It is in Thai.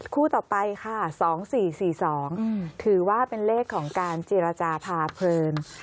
คู่ต่อไปค่ะ๒๔๔๒ถือว่าเป็นเลขของการเจรจาพาเพลิน